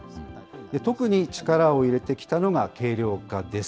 特に力を入れてきたのが軽量化です。